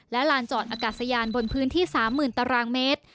และลานจอดอากาศยานบนพื้นที่๓๐๐๐ตารางเมตร